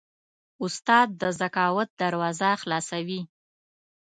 استاد د ذکاوت دروازه خلاصوي.